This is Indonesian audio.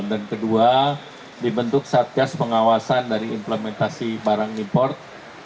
dan kedua dibentuk satyas pengawasan dari implementasi barang import